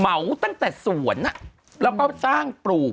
เหมาตั้งแต่สวนแล้วก็สร้างปลูก